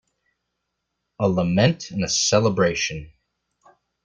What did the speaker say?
A lament and a celebration.